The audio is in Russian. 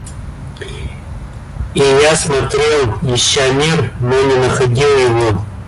И я смотрел, ища мир, но не находил его.